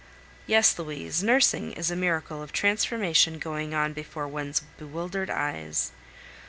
Yes, Louise, nursing is a miracle of transformation going on before one's bewildered eyes.